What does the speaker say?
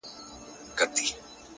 ه ولي په زاړه درد کي پایماله یې،